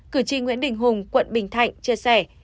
cử tri nguyễn đình hùng quận bình thạnh chia sẻ